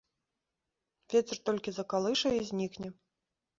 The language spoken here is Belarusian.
Вецер толькі закалыша і знікне.